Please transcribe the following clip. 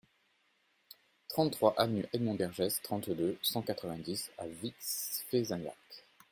trente-trois avenue Edmond Bergès, trente-deux, cent quatre-vingt-dix à Vic-Fezensac